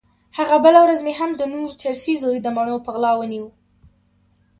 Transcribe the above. هغه بله ورځ مې هم د نور چرسي زوی د مڼو په غلا ونيو.